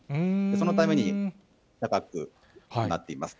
そのために高くなっています。